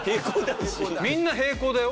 みんな平行だよ。